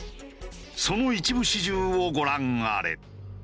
その一部始終をご覧あれ。